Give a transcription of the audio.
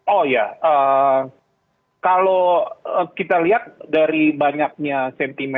oh ya kalau kita lihat dari banyaknya sentimen